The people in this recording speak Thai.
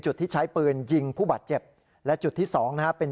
ที่ใช้ปืนยิงผู้บาดเจ็บและจุดที่สองนะฮะเป็น